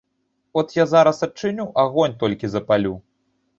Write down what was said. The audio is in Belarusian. От я зараз адчыню, агонь толькі запалю.